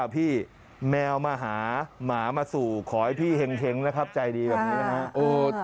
พี่แมวมาหาหมามาสู่ขอให้พี่เห็งนะครับใจดีแบบนี้นะครับ